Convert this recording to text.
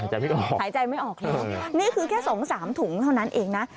หายใจไม่ออกเลยนี่คือแค่๒๓ถุงเท่านั้นเองนะ